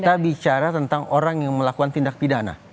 kita bicara tentang orang yang melakukan tindak pidana